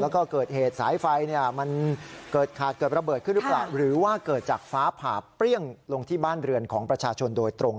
แล้วก็เกิดเหตุสายไฟมันเกิดขาดเกิดระเบิดขึ้นหรือเปล่าหรือว่าเกิดจากฟ้าผ่าเปรี้ยงลงที่บ้านเรือนของประชาชนโดยตรง